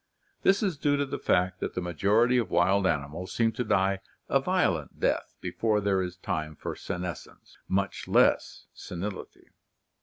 This is due to the fact that the majority of wild animals seem to die a violent death before there is time for senescence, much less senility.